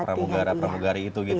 para pramugara pramugari itu gitu ya